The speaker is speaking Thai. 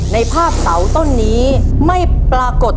ในภาพเสาต้นนี้ไม่ปรากฏ